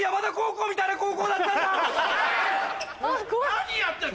何やってんだ